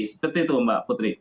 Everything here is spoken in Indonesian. seperti itu mbak putri